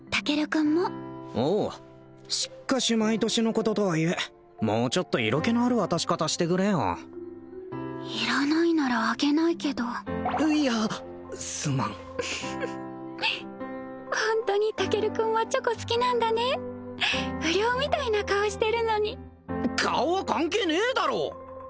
君もおうしかし毎年のこととはいえもうちょっと色気のある渡し方してくれよいらないならあげないけどいやすまんフフッホントにタケル君はチョコ好きなんだね不良みたいな顔してるのに顔は関係ねえだろ！